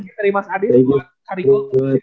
dari mas adit buat kariko